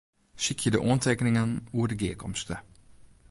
Sykje de oantekeningen oer de gearkomste.